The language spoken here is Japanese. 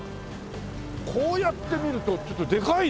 こうやって見るとちょっとでかいね。